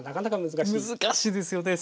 難しいですよね。